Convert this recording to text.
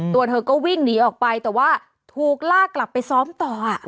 ตัวเธอก็วิ่งหนีออกไปแต่ว่าถูกลากกลับไปซ้อมต่อ